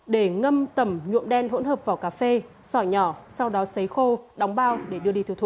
để ngâm tẩm nhuộm đen hỗn hợp vỏ cà phê sỏi nhỏ sau đó xấy khô đóng bao để đưa đi tiêu thụ